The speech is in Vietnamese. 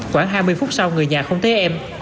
khoảng hai mươi phút sau người nhà không thấy em